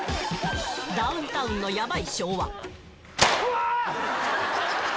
ダウンタウンのヤバい昭和うわ！